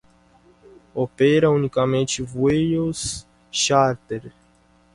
Opera únicamente vuelos chárter.